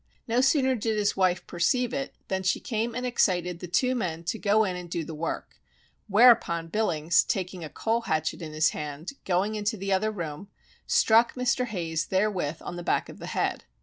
No sooner did his wife perceive it than she came and excited the two men to go in and do the work; whereupon Billings taking a coal hatchet in his hand, going into the other room, struck Mr. Hayes therewith on the back of the head.